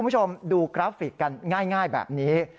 ตอนต่อไป